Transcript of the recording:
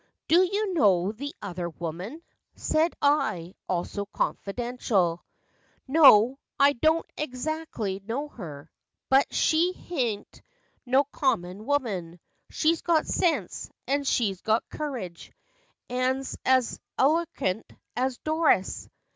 " Do you know the other woman ?" Said I, also confidential. "No, I don't adzackly know her; But she haint no common woman; She's got sense, and she's got courage, And's as elerkent as Dorus."